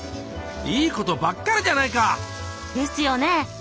いいことばっかりじゃないか！ですよね！